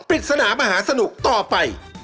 ปริศนามหาสนุกต่อไป